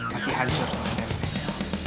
pasti hancur sama sensei